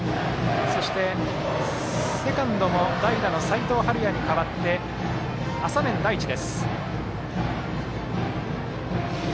そして、セカンドの代打の齋藤敏哉に代わって浅面大地です。